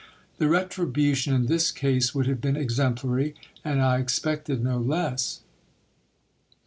The retribution in this case would lave been exemplary ; and I expected no less.